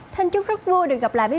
thân chúc rất vui được gặp lại với quý vị